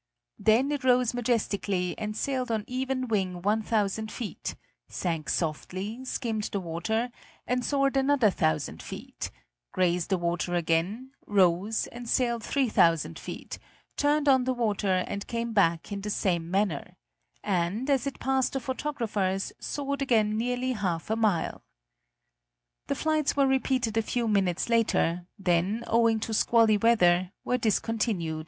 Then it rose majestically and sailed on even wing 1,000 feet; sank softly, skimmed the water, and soared another 1,000 feet; grazed the water again, rose and sailed 3,000 feet; turned on the water and came back in the same manner; and, as it passed the photographers, soared again nearly half a mile. The flights were repeated a few minutes later, then, owing to squally weather, were discontinued for 11 days.